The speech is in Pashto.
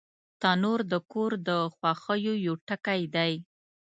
تنور د کور د خوښیو یو ټکی دی